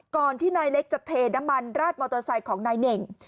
ที่นายเล็กจะเทน้ำมันราดมอเตอร์ไซค์ของนายเน่ง